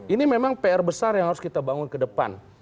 ini memang pr besar yang harus kita bangun ke depan